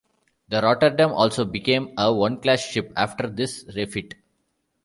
The "Rotterdam" also became a one class ship after this refit.